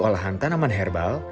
olahan tanaman herbal